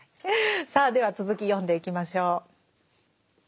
さあでは続き読んでいきましょう。